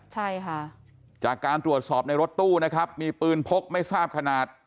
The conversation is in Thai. ใช่ค่ะจากการตรวจสอบในรถตู้นะครับมีปืนพกไม่ทราบขนาด